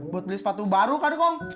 buat beli sepatu baru kak dukong